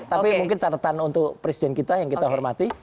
tapi mungkin catatan untuk presiden kita yang kita hormati